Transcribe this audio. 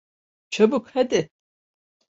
Çabuk, hadi!